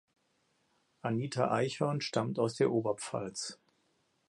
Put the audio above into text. Anita Eichhorn stammt aus der Oberpfalz.